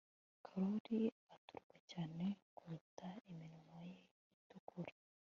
korali itukura cyane kuruta iminwa ye itukura